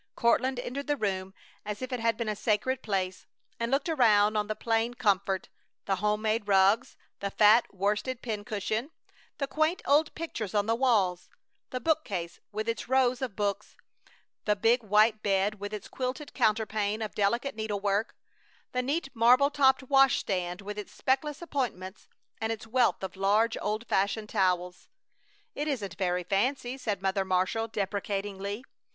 Courtland entered the room as if it had been a sacred place, and looked around on the plain comfort: the home made rugs, the fat, worsted pincushion, the quaint old pictures on the walls, the bookcase with its rows of books; the big white bed with its quilted counterpane of delicate needlework, the neat marble topped washstand with its speckless appointments and its wealth of large old fashioned towels. "It isn't very fancy," said Mother Marshall, deprecatingly.